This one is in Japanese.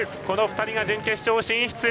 この２人が準決勝進出。